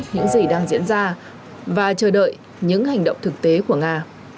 những gì đang diễn ra và chờ đợi những hành động thực tế của nga